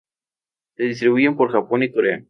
Se distribuyen por Japón y Corea.